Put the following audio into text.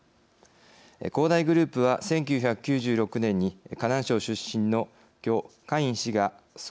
恒大グループは１９９６年に河南省出身の許家印氏が創業。